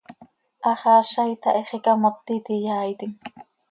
Haxaaza itahíx, icamotet iyaaitim.